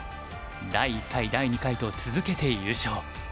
第１回第２回と続けて優勝。